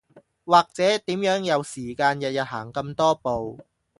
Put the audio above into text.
或者點樣有時間日日行咁多步